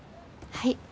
はい。